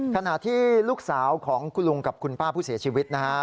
ขณะที่ลูกสาวของคุณลุงกับคุณป้าผู้เสียชีวิตนะฮะ